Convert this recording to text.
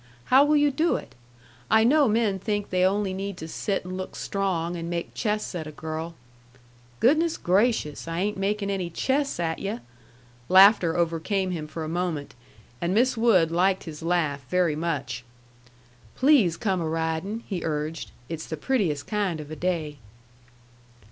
How will you do it? I know men think that they only need to sit and look strong and make chests at a girl " "Goodness gracious! I ain't makin' any chests at yu'!" Laughter overcame him for a moment, and Miss Wood liked his laugh very much. "Please come a ridin'," he urged. "It's the prettiest kind of a day."